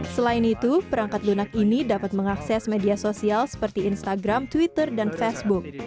selain itu perangkat lunak ini dapat mengakses media sosial seperti instagram twitter dan facebook